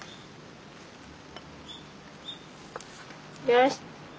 よし。